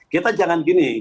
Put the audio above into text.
kita jangan gini